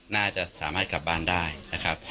น่าจะสามารถกลับบ้านได้นะครับ